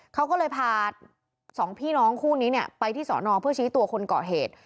เขาก็เลยพาสองพี่น้องคู่นี้เนี่ยไปที่สอนอเพื่อชี้ตัวคนก่อเหตุ